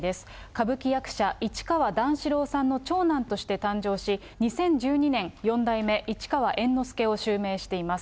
歌舞伎役者、市川段四郎さんの長男として誕生し、２０１２年、四代目市川猿之助を襲名しています。